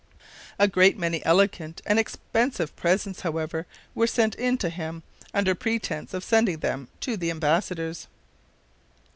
A great many elegant and expensive presents, however, were sent in to him, under pretense of sending them to the embassadors.